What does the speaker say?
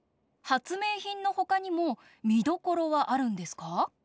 はつめいひんのほかにもみどころはあるんですか？